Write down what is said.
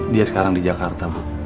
dia sekarang di jakarta